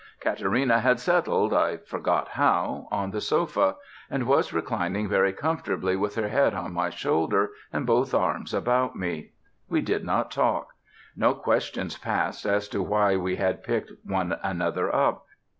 Katarina had settled, I forget how, on the sofa, and was reclining very comfortably with her head on my shoulder and both arms about me. We did not talk. No questions passed as to why we had picked one another up.